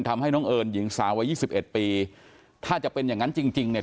ทำให้น้องเอิญหญิงสาววัยยี่สิบเอ็ดปีถ้าจะเป็นอย่างนั้นจริงจริงเนี่ย